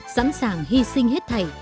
sẵn sàng hy sinh hết thầy